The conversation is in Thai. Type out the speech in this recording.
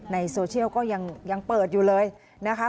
ในโซเชียลก็ยังเปิดอยู่เลยนะคะ